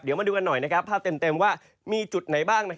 เดี๋ยวมาดูกันหน่อยภาพเต็มว่ามีจุดไหนบ้าง